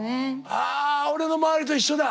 あ俺の周りと一緒だ。